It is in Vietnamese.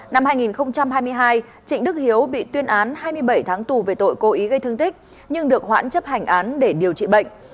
năm hai nghìn hai mươi hai trịnh đức hiếu bị tuyên án hai mươi bảy tháng tù về tội cố ý gây thương tích nhưng được hoãn chấp hành án để điều trị bệnh